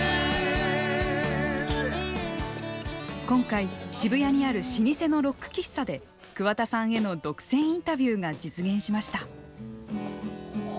今回、渋谷にある老舗のロック喫茶で桑田さんへの独占インタビューが実現しました。